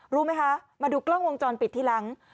รู้ไหมคะมาดูกล้องวงจรปิดทีหลัง